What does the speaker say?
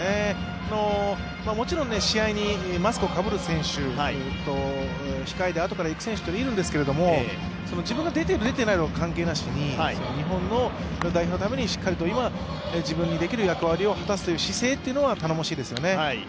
もちろん試合にマスクをかぶる選手と控えで後から行く選手というのがいるんですけども自分が出てる出てない関係なしに日本の代表のためにしっかりと自分にできる役割を果たす姿勢は頼もしいですよね。